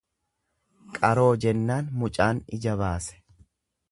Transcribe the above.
Qaroo jennaan mucaan ija baase.